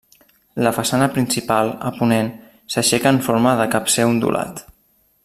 La façana principal, a ponent, s'aixeca en forma de capcer ondulat.